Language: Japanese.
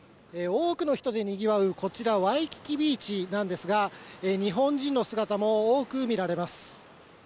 多くの人でにぎわう、こちらワイキキビーチなんですが、日本人の姿も多く見られます。